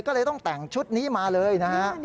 ก็เลยต้องแต่งชุดนี้มาเลยนะฮะ